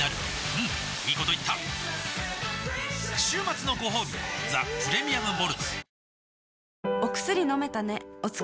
うんいいこと言った週末のごほうび「ザ・プレミアム・モルツ」おおーーッ